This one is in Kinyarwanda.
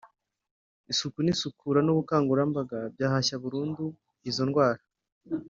isuku n’isukura n’ubukangurambaga byahashya burundu izo ndwara